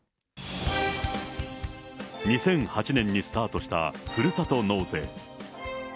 ２００８年にスタートしたふるさと納税。